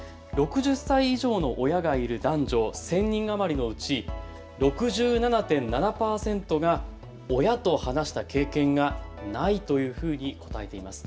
６０歳以上の親がいる男女１０００人余りのうち６７．７％が親と話した経験がないというふうに答えています。